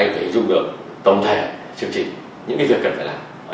anh thấy dùng được tổng thể chương trình những việc cần phải làm